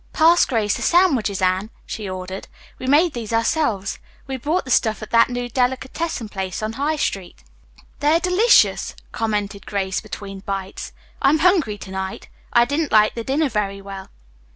"Pass Grace the sandwiches, Anne," she ordered. "We made these ourselves. We bought the stuff at that new delicatessen place on High Street." "They are delicious," commented Grace, between bites. "I'm hungry to night. I didn't like the dinner very well."